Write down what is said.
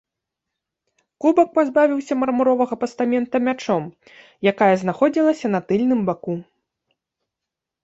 Кубак пазбавіўся мармуровага пастамента мячом, якая знаходзілася на тыльным баку.